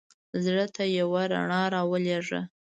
زړه ته یوه رڼا را ولېږه.